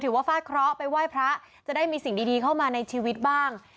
ว่าฟาดเคราะห์ไปไหว้พระจะได้มีสิ่งดีเข้ามาในชีวิตบ้าง